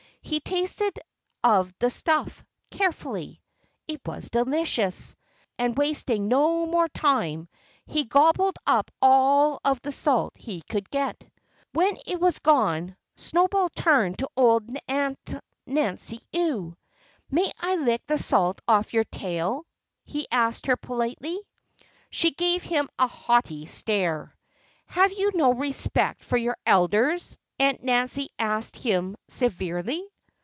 He tasted of the stuff, carefully. It was delicious. And wasting no more time, he gobbled up all of the salt that he could get. When it was gone Snowball turned to old Aunt Nancy Ewe. "May I lick the salt off your tail?" he asked her politely. She gave him a haughty stare. "Have you no respect for your elders?" Aunt Nancy asked him severely.